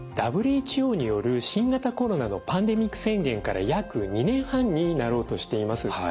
ＷＨＯによる新型コロナのパンデミック宣言から約２年半になろうとしています。